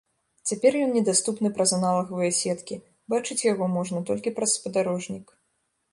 Цяпер ён недаступны праз аналагавыя сеткі, бачыць яго можна толькі праз спадарожнік.